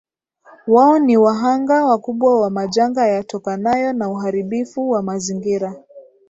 Wao ni wahanga wakubwa wa majanga yatokanayo na uharibifu wa mazingira